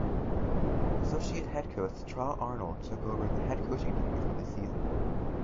Associate head coach Tra Arnold took over the head coaching duties for this season.